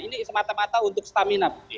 ini semata mata untuk stamina